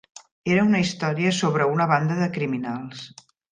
Era una història sobre una banda de criminals.